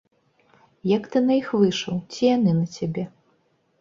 Як ты на іх выйшаў, ці яны на цябе?